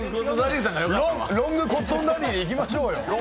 ロングコットンダディでいきましょうよ。